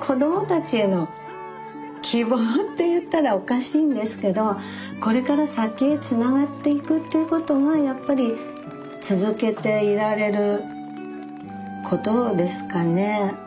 子供たちへの希望っていったらおかしいんですけどこれから先へつながっていくっていうことがやっぱり続けていられることですかね。